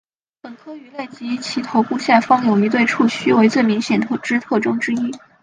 本科鱼类以其头部下方有一对触须为最明显之特征之一。